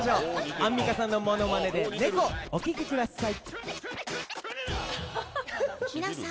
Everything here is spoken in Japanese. アンミカさんのモノマネで「猫」お聴きください